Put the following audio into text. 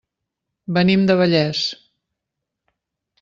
Venim de Vallés.